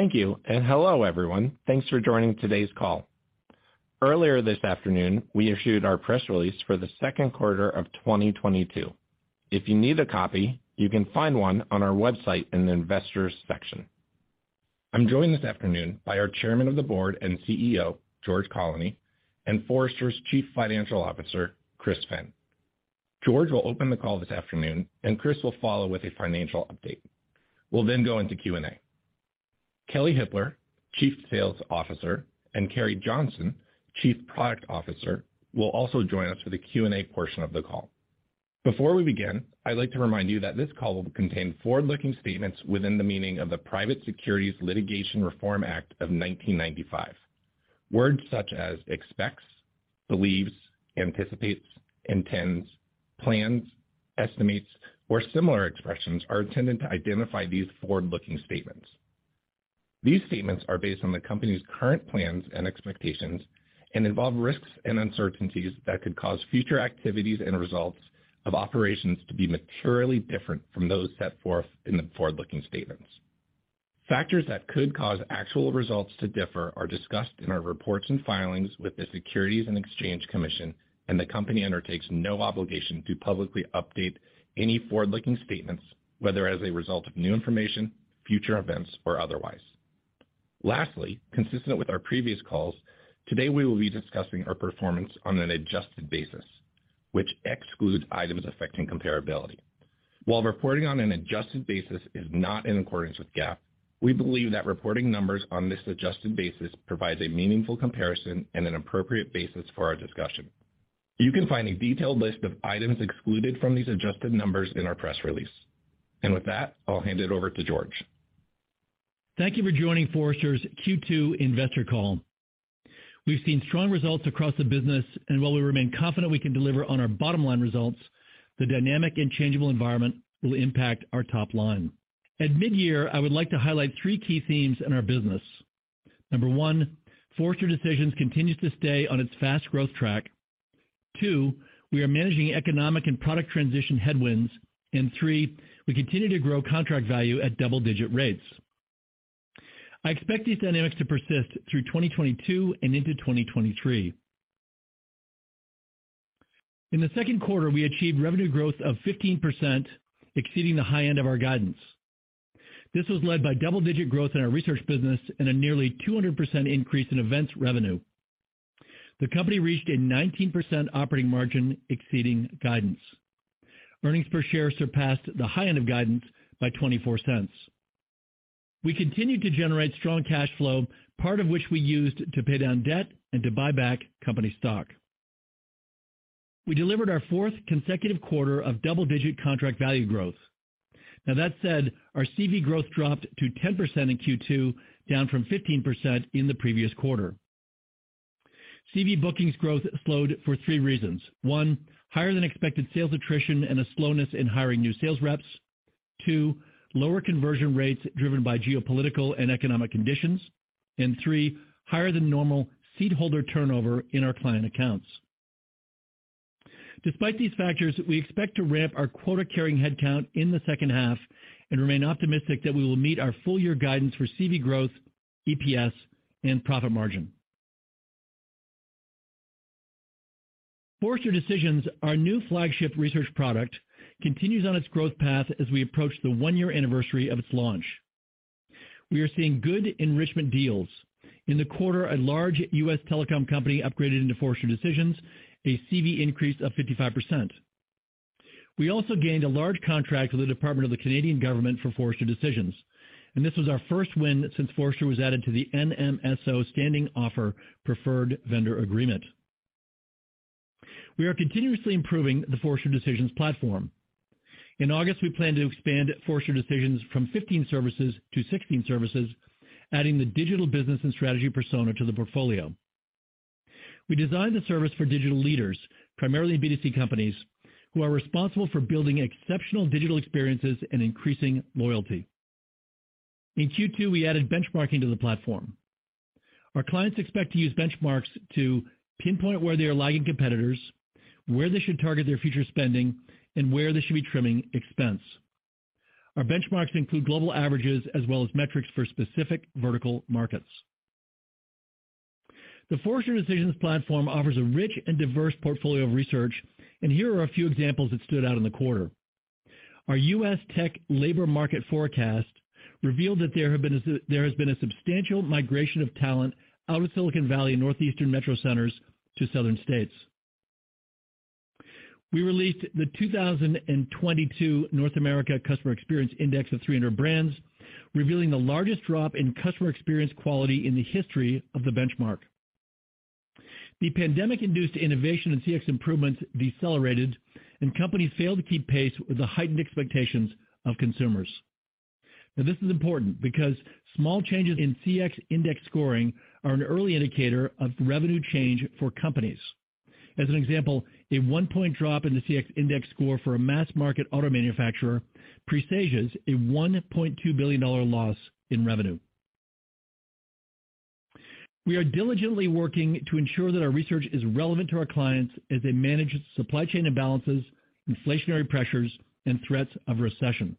Thank you, and hello, everyone. Thanks for joining today's call. Earlier this afternoon, we issued our press release for the second quarter of 2022. If you need a copy, you can find one on our website in the investors section. I'm joined this afternoon by our chairman of the board and CEO, George Colony, and Forrester's Chief Financial Officer, Chris Finn. George will open the call this afternoon, and Chris will follow with a financial update. We'll then go into Q&A. Kelley Hippler, Chief Sales Officer, and Carrie Johnson, Chief Product Officer, will also join us for the Q&A portion of the call. Before we begin, I'd like to remind you that this call will contain forward-looking statements within the meaning of the Private Securities Litigation Reform Act of 1995. Words such as expects, believes, anticipates, intends, plans, estimates, or similar expressions are intended to identify these forward-looking statements. These statements are based on the company's current plans and expectations and involve risks and uncertainties that could cause future activities and results of operations to be materially different from those set forth in the forward-looking statements. Factors that could cause actual results to differ are discussed in our reports and filings with the Securities and Exchange Commission, and the company undertakes no obligation to publicly update any forward-looking statements, whether as a result of new information, future events, or otherwise. Lastly, consistent with our previous calls, today we will be discussing our performance on an adjusted basis, which excludes items affecting comparability. While reporting on an adjusted basis is not in accordance with GAAP, we believe that reporting numbers on this adjusted basis provides a meaningful comparison and an appropriate basis for our discussion. You can find a detailed list of items excluded from these adjusted numbers in our press release. With that, I'll hand it over to George. Thank you for joining Forrester's Q2 investor call. We've seen strong results across the business, and while we remain confident we can deliver on our bottom-line results, the dynamic and changeable environment will impact our top line. At mid-year, I would like to highlight three key themes in our business. Number one, Forrester Decisions continues to stay on its fast growth track. Two, we are managing economic and product transition headwinds. Three, we continue to grow contract value at double-digit rates. I expect these dynamics to persist through 2022 and into 2023. In the second quarter, we achieved revenue growth of 15%, exceeding the high end of our guidance. This was led by double-digit growth in our research business and a nearly 200% increase in events revenue. The company reached a 19% operating margin exceeding guidance. Earnings per share surpassed the high end of guidance by $0.24. We continued to generate strong cash flow, part of which we used to pay down debt and to buy back company stock. We delivered our fourth consecutive quarter of double-digit contract value growth. Now that said, our CV growth dropped to 10% in Q2, down from 15% in the previous quarter. CV bookings growth slowed for three reasons. One, higher than expected sales attrition and a slowness in hiring new sales reps. Two, lower conversion rates driven by geopolitical and economic conditions. And three, higher than normal seat holder turnover in our client accounts. Despite these factors, we expect to ramp our quota-carrying headcount in the second half and remain optimistic that we will meet our full-year guidance for CV growth, EPS, and profit margin. Forrester Decisions, our new flagship research product, continues on its growth path as we approach the one-year anniversary of its launch. We are seeing good enrichment deals. In the quarter, a large U.S. telecom company upgraded into Forrester Decisions, a CV increase of 55%. We also gained a large contract with the Department of the Canadian government for Forrester Decisions, and this was our first win since Forrester was added to the NMSO standing offer preferred vendor agreement. We are continuously improving the Forrester Decisions platform. In August, we plan to expand Forrester Decisions from 15 services to 16 services, adding the Digital Business & Strategy persona to the portfolio. We designed the service for digital leaders, primarily B2C companies, who are responsible for building exceptional digital experiences and increasing loyalty. In Q2, we added benchmarking to the platform. Our clients expect to use benchmarks to pinpoint where they are lagging competitors, where they should target their future spending, and where they should be trimming expense. Our benchmarks include global averages as well as metrics for specific vertical markets. The Forrester Decisions platform offers a rich and diverse portfolio of research, and here are a few examples that stood out in the quarter. Our U.S. tech labor market forecast revealed that there has been a substantial migration of talent out of Silicon Valley and Northeastern metro centers to southern states. We released the 2022 North America Customer Experience Index of 300 brands, revealing the largest drop in customer experience quality in the history of the benchmark. The pandemic-induced innovation and CX improvements decelerated, and companies failed to keep pace with the heightened expectations of consumers. Now, this is important because small changes in CX Index scoring are an early indicator of revenue change for companies. As an example, a 1-point drop in the CX Index score for a mass-market auto manufacturer presages a $1.2 billion loss in revenue. We are diligently working to ensure that our research is relevant to our clients as they manage supply chain imbalances, inflationary pressures, and threats of recession.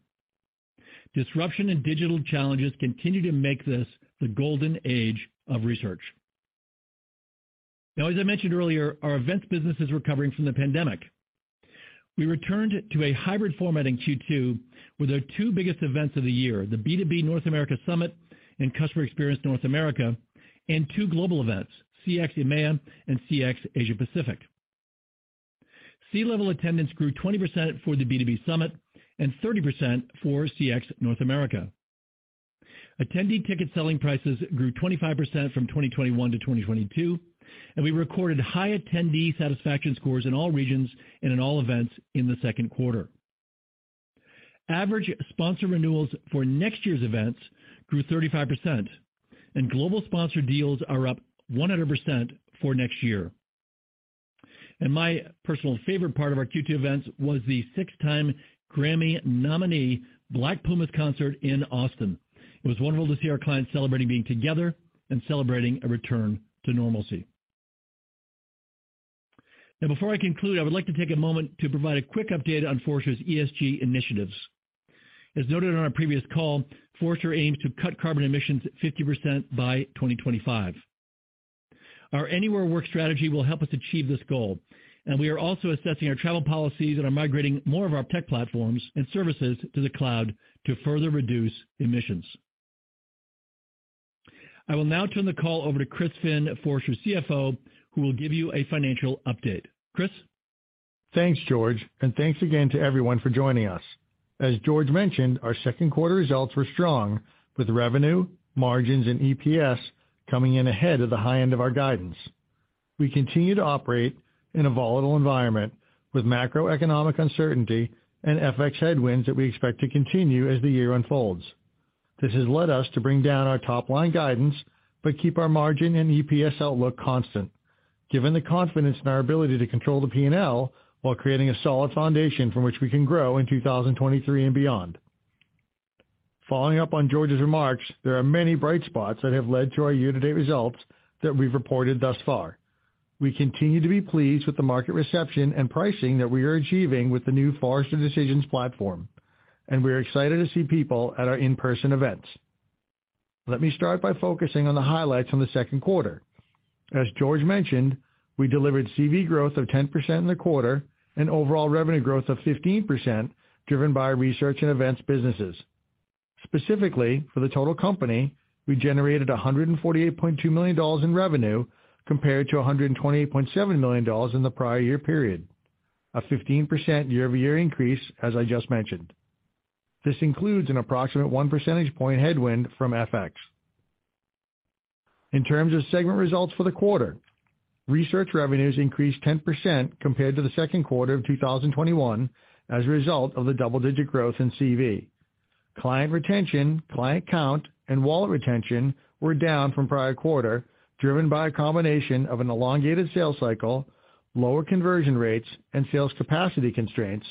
Disruption and digital challenges continue to make this the golden age of research. Now, as I mentioned earlier, our events business is recovering from the pandemic. We returned to a hybrid format in Q2 with our two biggest events of the year, the B2B Summit North America and Customer Experience North America, and two global events, CX Summit EMEA and CX Summit APAC. C-level attendance grew 20% for the B2B Summit and 30% for CX North America. Attendee ticket selling prices grew 25% from 2021 to 2022, and we recorded high attendee satisfaction scores in all regions and in all events in the second quarter. Average sponsor renewals for next year's events grew 35%, and global sponsor deals are up 100% for next year. My personal favorite part of our Q2 events was the six-time Grammy nominee Black Pumas concert in Austin. It was wonderful to see our clients celebrating being together and celebrating a return to normalcy. Now before I conclude, I would like to take a moment to provide a quick update on Forrester's ESG initiatives. As noted on our previous call, Forrester aims to cut carbon emissions 50% by 2025. Our anywhere work strategy will help us achieve this goal, and we are also assessing our travel policies and are migrating more of our tech platforms and services to the cloud to further reduce emissions. I will now turn the call over to Chris Finn, Forrester's CFO, who will give you a financial update. Chris. Thanks, George, and thanks again to everyone for joining us. As George mentioned, our second quarter results were strong, with revenue, margins and EPS coming in ahead of the high end of our guidance. We continue to operate in a volatile environment with macroeconomic uncertainty and FX headwinds that we expect to continue as the year unfolds. This has led us to bring down our top-line guidance, but keep our margin and EPS outlook constant. Given the confidence in our ability to control the P&L while creating a solid foundation from which we can grow in 2023 and beyond. Following up on George's remarks, there are many bright spots that have led to our year-to-date results that we've reported thus far. We continue to be pleased with the market reception and pricing that we are achieving with the new Forrester Decisions platform, and we are excited to see people at our in-person events. Let me start by focusing on the highlights from the second quarter. As George mentioned, we delivered CV growth of 10% in the quarter and overall revenue growth of 15%, driven by research and events businesses. Specifically, for the total company we generated $148.2 million in revenue compared to $128.7 million in the prior year period. A 15% year-over-year increase, as I just mentioned. This includes an approximate 1 percentage point headwind from FX. In terms of segment results for the quarter, research revenues increased 10% compared to the second quarter of 2021 as a result of the double-digit growth in CX. Client retention, client count, and wallet retention were down from prior quarter, driven by a combination of an elongated sales cycle, lower conversion rates, and sales capacity constraints,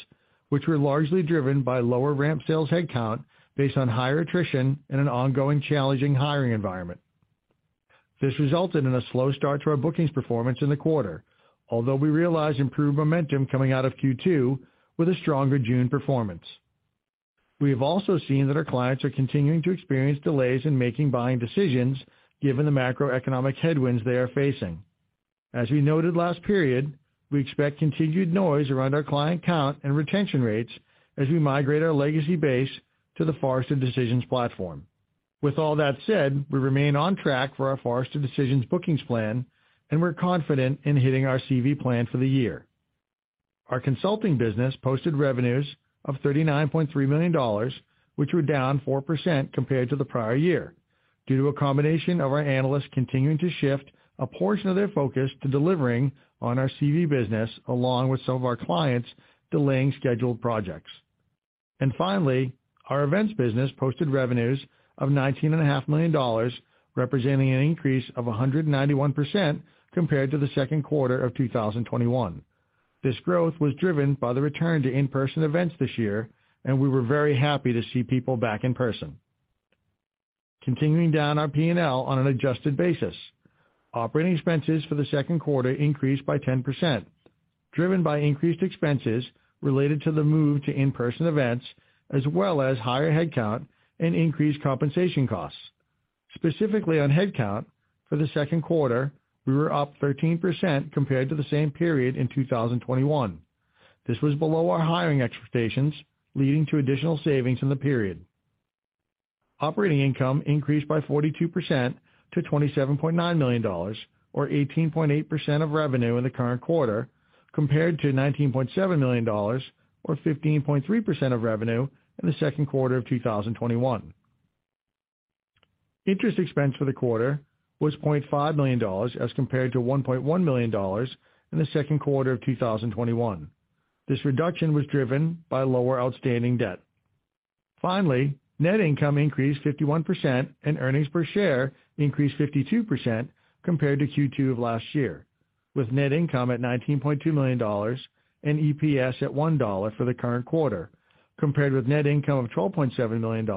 which were largely driven by lower ramp sales headcount based on higher attrition in an ongoing challenging hiring environment. This resulted in a slow start to our bookings performance in the quarter. Although we realized improved momentum coming out of Q2 with a stronger June performance, we have also seen that our clients are continuing to experience delays in making buying decisions given the macroeconomic headwinds they are facing. As we noted last period, we expect continued noise around our client count and retention rates as we migrate our legacy base to the Forrester Decisions platform. With all that said, we remain on track for our Forrester Decisions bookings plan, and we're confident in hitting our CX plan for the year. Our consulting business posted revenues of $39.3 million, which were down 4% compared to the prior year, due to a combination of our analysts continuing to shift a portion of their focus to delivering on our CX business along with some of our clients delaying scheduled projects. Finally, our events business posted revenues of $19.5 million, representing an increase of 191% compared to the second quarter of 2021. This growth was driven by the return to in-person events this year, and we were very happy to see people back in person. Continuing down our P&L on an adjusted basis. Operating expenses for the second quarter increased by 10%, driven by increased expenses related to the move to in-person events, as well as higher headcount and increased compensation costs. Specifically on headcount, for the second quarter, we were up 13% compared to the same period in 2021. This was below our hiring expectations, leading to additional savings in the period. Operating income increased by 42% to $27.9 million, or 18.8% of revenue in the current quarter, compared to $19.7 million or 15.3% of revenue in the second quarter of 2021. Interest expense for the quarter was $0.5 million, as compared to $1.1 million in the second quarter of 2021. This reduction was driven by lower outstanding debt. Finally, net income increased 51%, and earnings per share increased 52% compared to Q2 of last year. With net income at $19.2 million and EPS at $1 for the current quarter, compared with net income of $12.7 million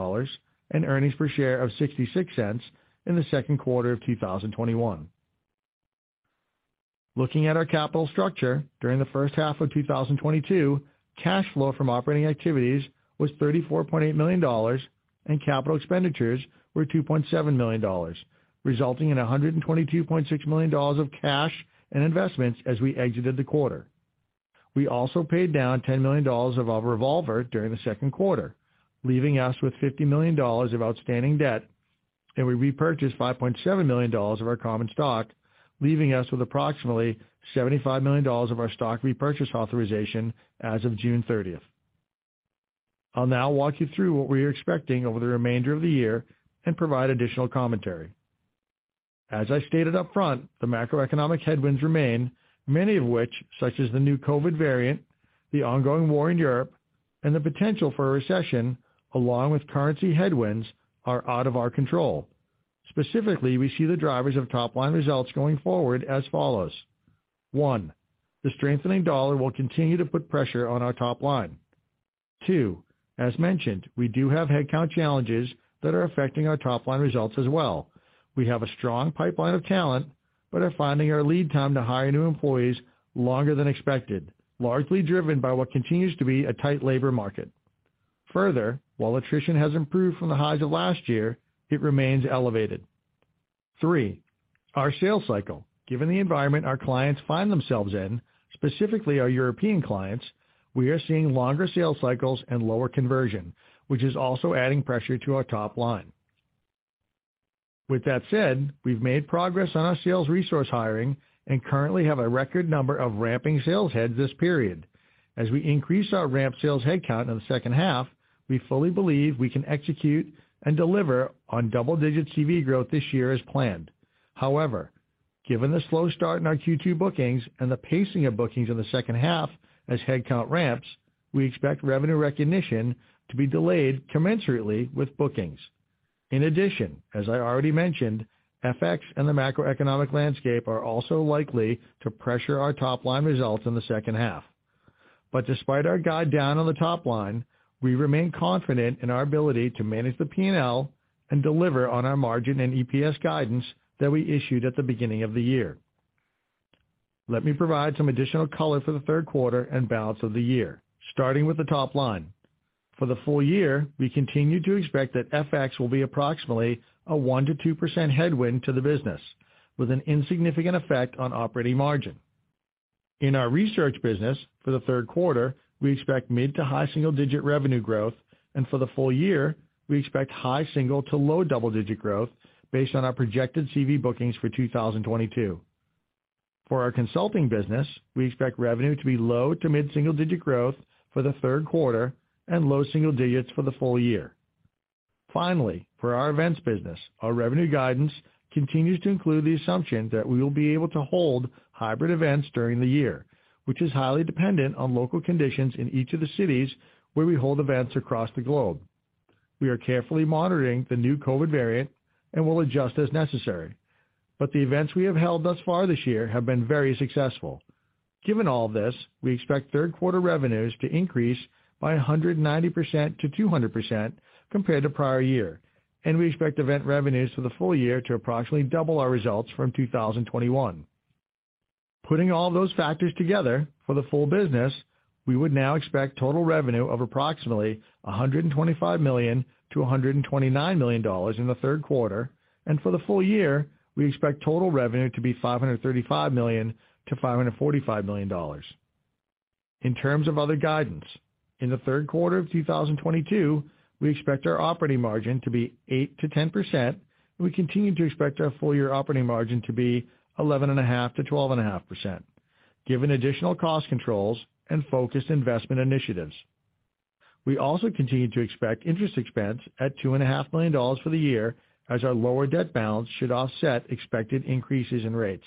and earnings per share of $0.66 in the second quarter of 2021. Looking at our capital structure, during the first half of 2022, cash flow from operating activities was $34.8 million, and capital expenditures were $2.7 million, resulting in $122.6 million of cash and investments as we exited the quarter. We also paid down $10 million of our revolver during the second quarter, leaving us with $50 million of outstanding debt, and we repurchased $5.7 million of our common stock, leaving us with approximately $75 million of our stock repurchase authorization as of June 30th. I'll now walk you through what we're expecting over the remainder of the year and provide additional commentary. As I stated upfront, the macroeconomic headwinds remain, many of which, such as the new COVID variant, the ongoing war in Europe, and the potential for a recession, along with currency headwinds, are out of our control. Specifically, we see the drivers of top-line results going forward as follows. One, the strengthening dollar will continue to put pressure on our top line. Two, as mentioned, we do have headcount challenges that are affecting our top-line results as well. We have a strong pipeline of talent, but are finding our lead time to hire new employees longer than expected, largely driven by what continues to be a tight labor market. Further, while attrition has improved from the highs of last year, it remains elevated. Three, our sales cycle. Given the environment our clients find themselves in, specifically our European clients, we are seeing longer sales cycles and lower conversion, which is also adding pressure to our top line. With that said, we've made progress on our sales resource hiring and currently have a record number of ramping sales heads this period. As we increase our ramp sales headcount in the second half, we fully believe we can execute and deliver on double-digit CV growth this year as planned. However, given the slow start in our Q2 bookings and the pacing of bookings in the second half as headcount ramps, we expect revenue recognition to be delayed commensurately with bookings. In addition, as I already mentioned, FX and the macroeconomic landscape are also likely to pressure our top-line results in the second half. Despite our guide down on the top line, we remain confident in our ability to manage the P&L and deliver on our margin and EPS guidance that we issued at the beginning of the year. Let me provide some additional color for the third quarter and balance of the year, starting with the top line. For the full year, we continue to expect that FX will be approximately a 1%-2% headwind to the business, with an insignificant effect on operating margin. In our research business for the third quarter, we expect mid- to high single-digit revenue growth, and for the full year, we expect high single- to low double-digit growth based on our projected CV bookings for 2022. For our consulting business, we expect revenue to be low- to mid single-digit% growth for the third quarter and low single-digit for the full year. Finally, for our events business, our revenue guidance continues to include the assumption that we will be able to hold hybrid events during the year, which is highly dependent on local conditions in each of the cities where we hold events across the globe. We are carefully monitoring the new COVID variant and will adjust as necessary. The events we have held thus far this year have been very successful. Given all this, we expect third quarter revenues to increase by 190%-200% compared to prior year, and we expect event revenues for the full year to approximately double our results from 2021. Putting all those factors together for the full business, we would now expect total revenue of approximately $125 million-$129 million in the third quarter. For the full year, we expect total revenue to be $535 million-$545 million. In terms of other guidance, in the third quarter of 2022, we expect our operating margin to be 8%-10%, and we continue to expect our full year operating margin to be 11.5%-12.5%, given additional cost controls and focused investment initiatives. We also continue to expect interest expense at $2.5 million for the year as our lower debt balance should offset expected increases in rates.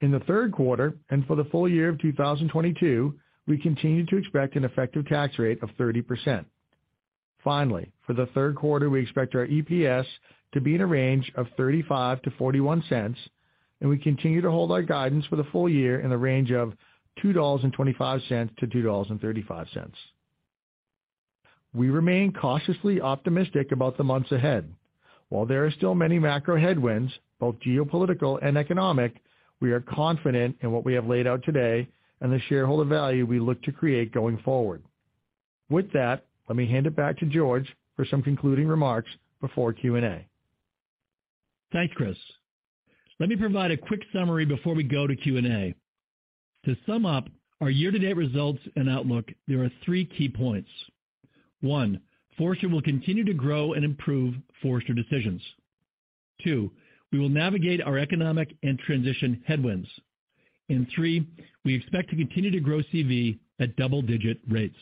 In the third quarter and for the full year of 2022, we continue to expect an effective tax rate of 30%. Finally, for the third quarter, we expect our EPS to be in a range of $0.35-$0.41, and we continue to hold our guidance for the full year in the range of $2.25-$2.35. We remain cautiously optimistic about the months ahead. While there are still many macro headwinds, both geopolitical and economic, we are confident in what we have laid out today and the shareholder value we look to create going forward. With that, let me hand it back to George for some concluding remarks before Q&A. Thanks, Chris. Let me provide a quick summary before we go to Q&A. To sum up our year-to-date results and outlook, there are three key points. One, Forrester will continue to grow and improve Forrester Decisions. Two, we will navigate our economic and transition headwinds. Three, we expect to continue to grow CV at double-digit rates.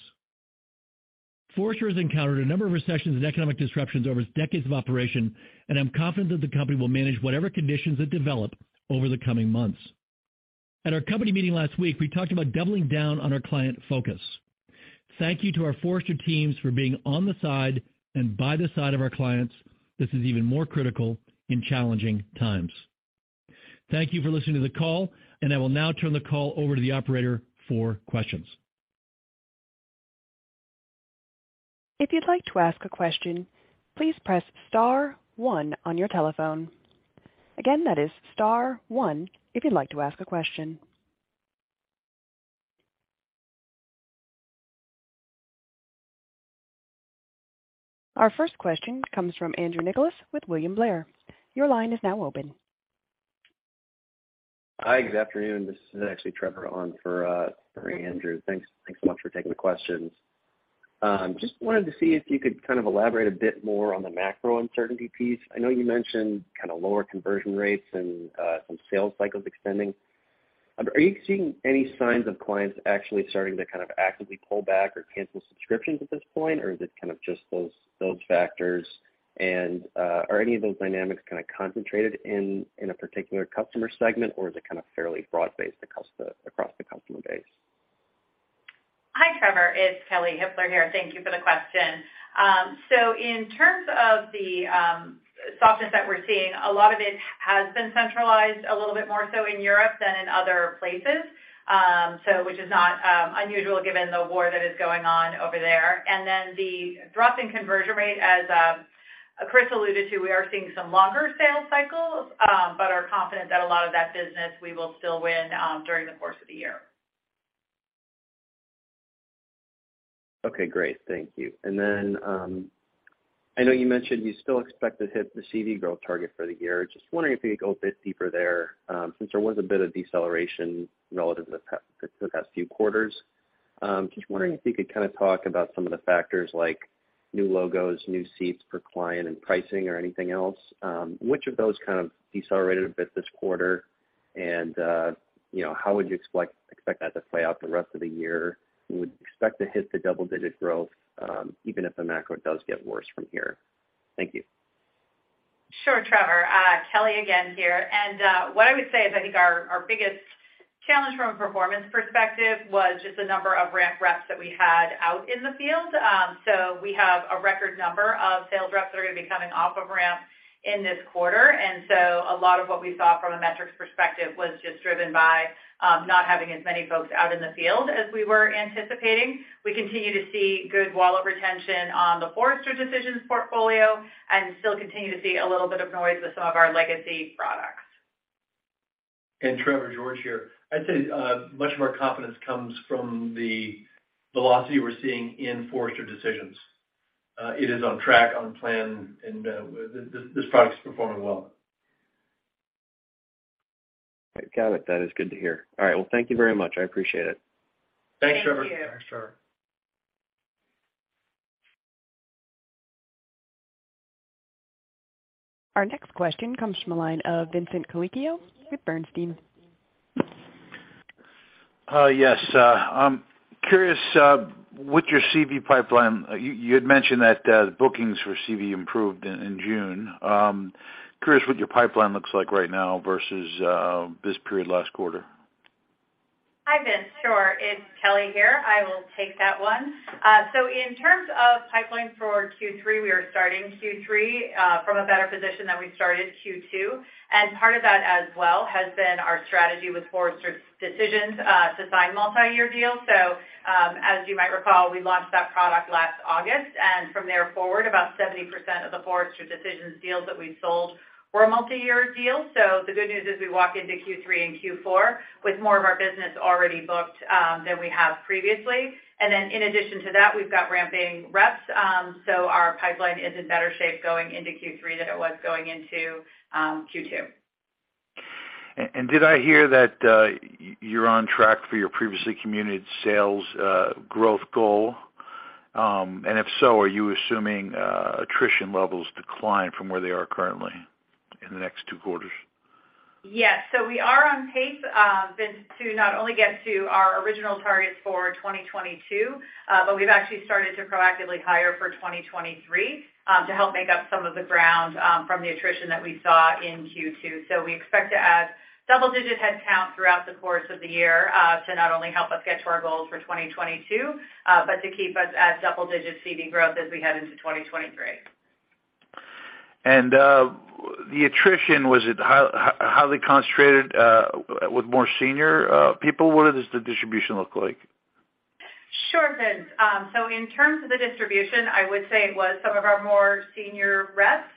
Forrester has encountered a number of recessions and economic disruptions over its decades of operation, and I'm confident that the company will manage whatever conditions it develops over the coming months. At our company meeting last week, we talked about doubling down on our client focus. Thank you to our Forrester teams for being on the side and by the side of our clients. This is even more critical in challenging times. Thank you for listening to the call, and I will now turn the call over to the operator for questions. If you'd like to ask a question, please press star one on your telephone. Again, that is star one if you'd like to ask a question. Our first question comes from Andrew Nicholas with William Blair. Your line is now open. Hi. Good afternoon. This is actually Trevor on for Andrew. Thanks so much for taking the questions. Just wanted to see if you could kind of elaborate a bit more on the macro uncertainty piece. I know you mentioned kinda lower conversion rates and some sales cycles extending. Are you seeing any signs of clients actually starting to kind of actively pull back or cancel subscriptions at this point? Or is it kind of just those factors? Are any of those dynamics kinda concentrated in a particular customer segment, or is it kind of fairly broad-based across the customer base? Hi, Trevor. It's Kelley Hippler here. Thank you for the question. In terms of the softness that we're seeing, a lot of it has been centralized a little bit more so in Europe than in other places, so which is not unusual given the war that is going on over there. The drop in conversion rate, as Chris alluded to, we are seeing some longer sales cycles, but are confident that a lot of that business we will still win during the course of the year. Okay, great. Thank you. I know you mentioned you still expect to hit the CV growth target for the year. Just wondering if you could go a bit deeper there, since there was a bit of deceleration relative to the past few quarters. Just wondering if you could kinda talk about some of the factors like new logos, new seats per client, and pricing or anything else. Which of those kind of decelerated a bit this quarter? You know, how would you expect that to play out the rest of the year? You would expect to hit the double-digit growth, even if the macro does get worse from here. Thank you. Sure, Trevor. Kelley again here. What I would say is I think our biggest challenge from a performance perspective was just the number of ramp reps that we had out in the field. We have a record number of sales reps that are gonna be coming off of ramp in this quarter. A lot of what we saw from a metrics perspective was just driven by not having as many folks out in the field as we were anticipating. We continue to see good wallet retention on the Forrester Decisions portfolio and still continue to see a little bit of noise with some of our legacy products. Trevor, George here. I'd say, much of our confidence comes from the velocity we're seeing in Forrester Decisions. It is on track, on plan, and this product is performing well. Got it. That is good to hear. All right. Well, thank you very much. I appreciate it. Thank you. Thanks, Trevor. Our next question comes from the line of Vincent Colicchio with Barrington Research. Yes. I'm curious with your CX pipeline. You'd mentioned that the bookings for CX improved in June. Curious what your pipeline looks like right now versus this period last quarter. Hi, Vince. Sure. It's Kelly here. I will take that one. In terms of pipeline for Q3, we are starting Q3 from a better position than we started Q2. Part of that as well has been our strategy with Forrester Decisions to sign multi-year deals. As you might recall, we launched that product last August, and from there forward, about 70% of the Forrester Decisions deals that we've sold were multi-year deals. The good news is we walk into Q3 and Q4 with more of our business already booked than we have previously. In addition to that, we've got ramping reps. Our pipeline is in better shape going into Q3 than it was going into Q2. Did I hear that you're on track for your previously communicated sales growth goal? If so, are you assuming attrition levels decline from where they are currently in the next two quarters? Yes. We are on pace, Vince, to not only get to our original targets for 2022, but we've actually started to proactively hire for 2023, to help make up some of the ground, from the attrition that we saw in Q2. We expect to add double-digit headcount throughout the course of the year, to not only help us get to our goals for 2022, but to keep us at double-digit CV growth as we head into 2023. The attrition, was it highly concentrated, with more senior, people? What does the distribution look like? Sure, Vincent. In terms of the distribution, I would say it was some of our more senior reps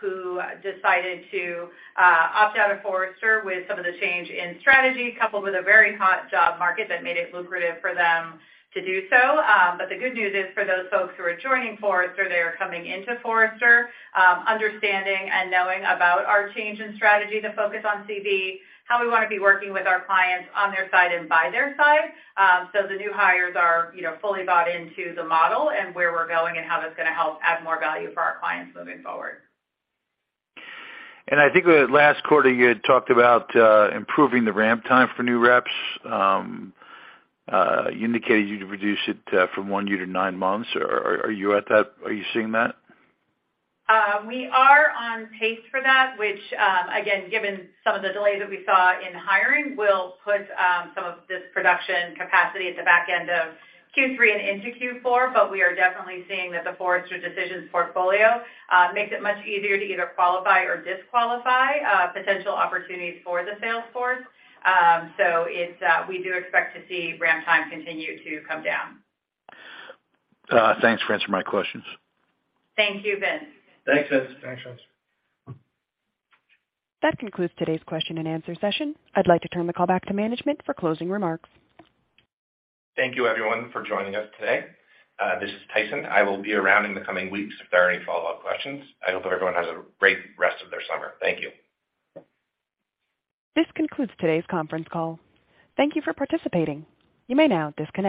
who decided to opt out of Forrester with some of the change in strategy, coupled with a very hot job market that made it lucrative for them to do so. The good news is for those folks who are joining Forrester, they are coming into Forrester understanding and knowing about our change in strategy to focus on CX, how we wanna be working with our clients on their side and by their side. The new hires are, you know, fully bought into the model and where we're going and how that's gonna help add more value for our clients moving forward. I think last quarter, you had talked about improving the ramp time for new reps. You indicated you'd reduce it from one year to nine months. Are you at that? Are you seeing that? We are on pace for that, which, again, given some of the delays that we saw in hiring, will put some of this production capacity at the back end of Q3 and into Q4. We are definitely seeing that the Forrester Decisions portfolio makes it much easier to either qualify or disqualify potential opportunities for the sales force. It's, we do expect to see ramp time continue to come down. Thanks for answering my questions. Thank you, Vince. Thanks, Vince. That concludes today's question-and-answer session. I'd like to turn the call back to management for closing remarks. Thank you everyone for joining us today. This is Tyson. I will be around in the coming weeks if there are any follow-up questions. I hope everyone has a great rest of their summer. Thank you. This concludes today's conference call. Thank you for participating. You may now disconnect.